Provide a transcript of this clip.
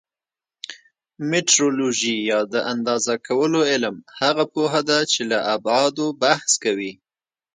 میټرولوژي یا د اندازه کولو علم هغه پوهه ده چې له ابعادو بحث کوي.